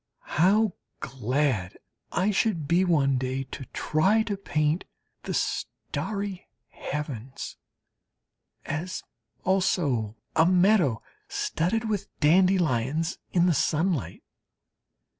How glad I should be one day to try to paint the starry heavens as also a meadow studded with dandelions in the sunlight.